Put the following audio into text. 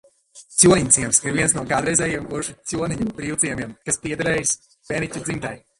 Ķoniņciems ir viens no kādreizējiem kuršu ķoniņu brīvciemiem, kas piederējis Peniķu dzimtai.